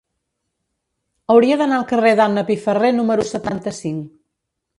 Hauria d'anar al carrer d'Anna Piferrer número setanta-cinc.